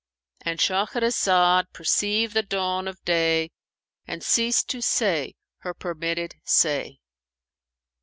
And Shahrazad perceived the dawn of day and ceased to say her permitted say.